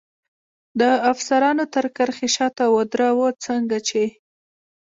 د افسرانو تر کرښې شاته ودراوه، څنګه چې.